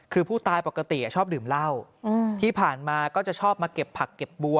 คือผู้ตายปกติชอบดื่มเหล้าที่ผ่านมาก็จะชอบมาเก็บผักเก็บบัว